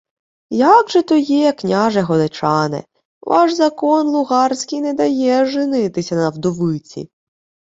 — Як же то є, княже Годечане? Ваш закон лугарський не дає женитися на вдовиці.